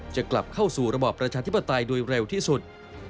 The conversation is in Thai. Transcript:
จะกลับเข้าสู่ระบอบประชาธิปไตยโดยเร็วที่สุด